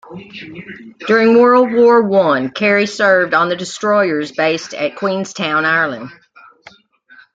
During World War One, Cary served on the destroyers based at Queenstown, Ireland.